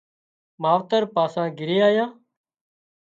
ماوترپاسان گھرِي آيان